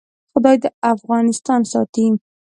خدای دې افغانستان ساتي؟